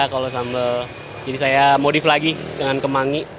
kalau sambal jadi saya modif lagi dengan kemangi